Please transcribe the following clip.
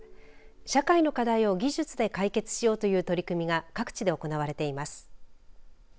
社会の課題を技術で解決しようという取り組みが各地で行われています。